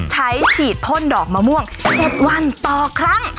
ฉีดพ่นดอกมะม่วง๗วันต่อครั้ง